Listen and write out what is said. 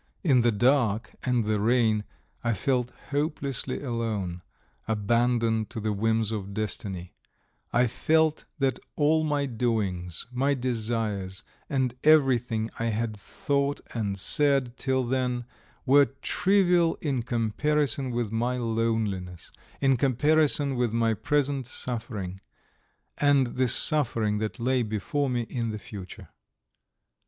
In the dark and the rain I felt hopelessly alone, abandoned to the whims of destiny; I felt that all my doings, my desires, and everything I had thought and said till then were trivial in comparison with my loneliness, in comparison with my present suffering, and the suffering that lay before me in the future.